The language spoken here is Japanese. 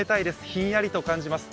ひんやりと感じます。